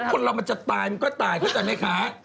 คนเรามันจะตายมันก็ตายเข้าใจไหมคะ